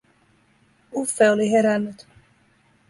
Uffe oli herännyt.